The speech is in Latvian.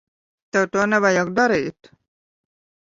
Tev to nevajag darīt.